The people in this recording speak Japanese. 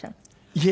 いえ。